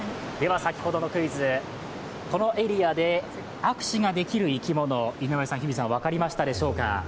先ほどのクイズ、このエリアで握手ができる生き物、井上さん、日比さん、分かりましたでしょうか？